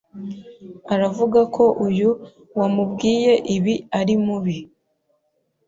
aravuga ko uyu wamubwiye ibi ari mubi